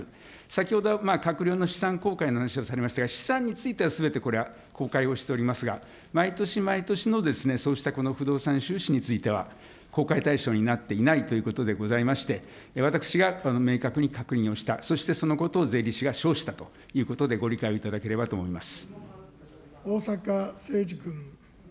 先ほど、閣僚の資産公開の話をされましたが、資産についてはすべてこれは公開をしておりますが、毎年毎年のそうしたこの不動産収支については、公開対象になっていないということでございまして、私が明確に確認をした、そしてそのことを税理士が証したということで、ご理解をいただけ逢坂誠二君。